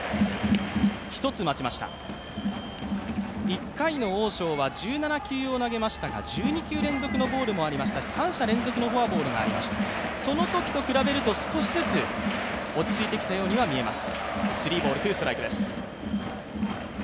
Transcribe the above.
１回のオウ・ショウは１７球を投げましたが１２球連続のボールもありましたし、三者連続のフォアボールもありました、そのときと比べると少しずつ落ち着いてきたようにも見えます。